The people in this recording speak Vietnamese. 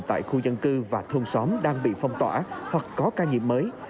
tại khu dân cư và thôn xóm đang bị phong tỏa hoặc có ca nhiễm mới